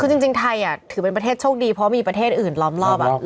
ซึ่งจริงจริงไทยอ่ะถือเป็นประเทศโชคดีเพราะมีประเทศอื่นล้อมลอบอ่ะล้อมลอบ